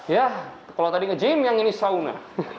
ya kalau tadi nge gym yang ini sauna